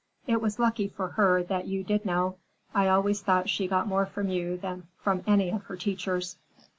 "It was lucky for her that you did know. I always thought she got more from you than from any of her teachers."